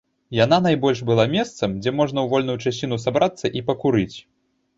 Яна найбольш была месцам, дзе можна ў вольную часіну сабрацца і пакурыць.